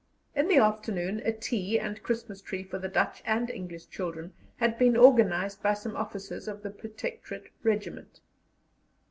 In the afternoon a tea and Christmas tree for the Dutch and English children had been organized by some officers of the Protectorate Regiment.